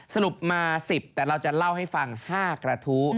สรุปมา๑๐แต่เราจะเล่าให้ฟัง๕กระทู้